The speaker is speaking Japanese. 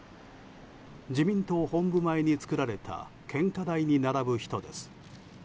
自民党本部前に作られた献花台に並ぶ人です。